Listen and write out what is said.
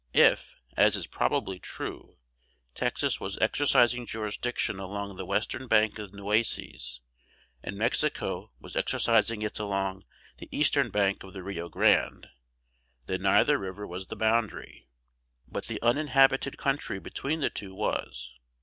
If, as is probably true, Texas was exercising jurisdiction along the western bank of the Nueces, and Mexico was exercising it along the eastern bank of the Rio Grande, then neither river was the boundary, but the uninhabited country between the two was.